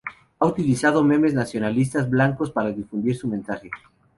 Ha utilizado memes nacionalistas blancos para difundir su mensaje.